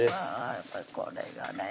やっぱりこれがね